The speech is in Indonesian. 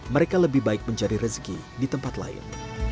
mereka lebih baik mencari rezeki di tempat lain